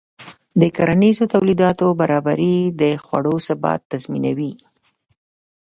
د کرنیزو تولیداتو برابري د خوړو ثبات تضمینوي.